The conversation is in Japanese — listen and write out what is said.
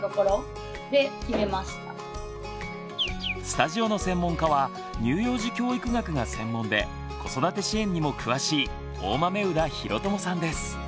スタジオの専門家は乳幼児教育学が専門で子育て支援にも詳しい大豆生田啓友さんです。